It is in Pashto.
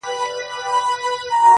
حقيقت لا هم نيمګړی ښکاري ډېر،